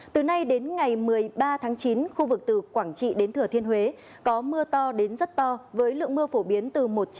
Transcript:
từ nay đến ngày một mươi ba tháng chín khu vực từ quảng trị đến thừa thiên huế có mưa to đến rất to với lượng mưa phổ biến từ một trăm linh